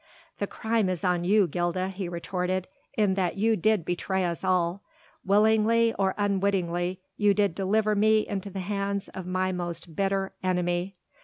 "The crime is on you, Gilda," he retorted, "in that you did betray us all. Willingly or unwittingly, you did deliver me into the hands of my most bitter enemy.